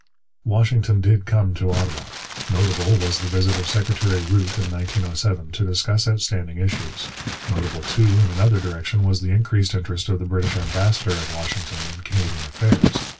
Washington did come to Ottawa. Notable was the visit of Secretary Root in 1907, to discuss outstanding issues. Notable too, in another direction, was the increased interest of the British ambassador at Washington in Canadian affairs.